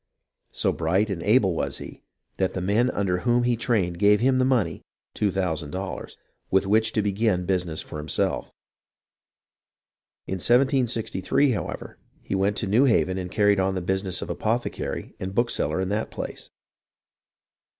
So bright and able was he that the men under whom he was trained gave him the money ($2000) with which to begin business for himself. In 1763, however, he went to New Haven and carried on the business of " apothe cary " and bookseller in that place.